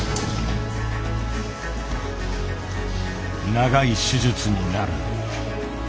「長い手術になる」。